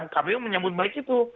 kpu menyebut baik itu